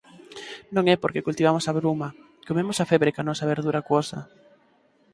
Non é porque cultivamos a bruma! Comemos a febre coa nosa verdura acuosa.